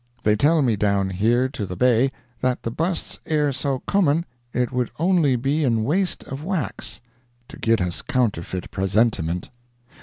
They tell me down heer to the Bay that the busts air so kommun it wood only bee an waist of wax too git us kounterfit presentiment."